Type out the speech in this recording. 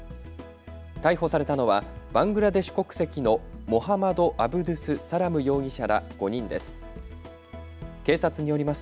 逮捕されたのはバングラデシュ国籍のモハマドアブドゥスサラム容疑者ら５人です。